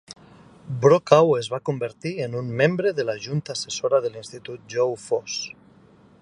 Brokaw es va convertir en un membre de la junta assessora de l'institut Joe Foss.